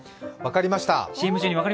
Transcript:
分かりました。